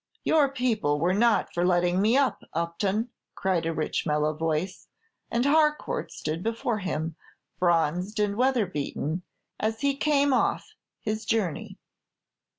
"Your people were not for letting me up, Upton," cried a rich, mellow voice; and Harcourt stood before him, bronzed and weather beaten, as he came off his journey.